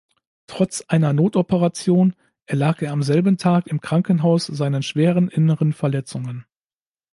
Trotz einer Notoperation erlag er am selben Tag im Krankenhaus seinen schweren inneren Verletzungen.